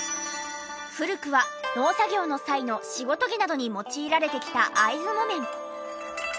古くは農作業の際の仕事着などに用いられてきた会津木綿。